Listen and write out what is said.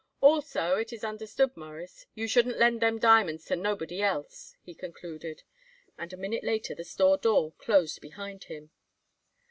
"Also it is understood, Mawruss, you shouldn't lend them diamonds to nobody else," he concluded, and a minute later the store door closed behind him.